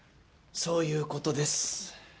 そういうことです。